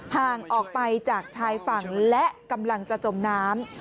ห่างออกไปจากชายฝั่งและกำลังจะจมน้ำ